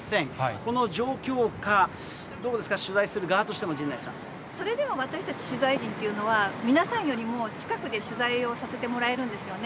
この状況下、どうですか、取材すそれでも私たち取材陣というのは、皆さんよりも近くで取材をさせてもらえるんですよね。